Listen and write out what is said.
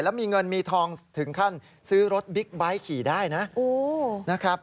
และมีเงินมีทองถึงขั้นซื้อรถบิ๊กไบค์ขี่ได้นะ